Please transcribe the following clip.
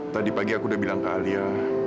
tadi pagi aku udah bilang ke alia